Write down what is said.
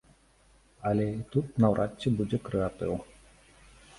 Але і тут наўрад ці будзе крэатыў.